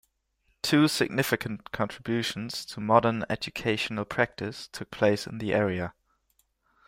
Two significant contributions to modern educational practice took place in the area.